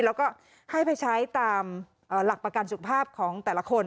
แล้วก็ให้ไปใช้ตามหลักประกันสุขภาพของแต่ละคน